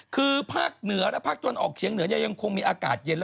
คือภาคเหนือและภาคจนออกเขียงเหนือกัน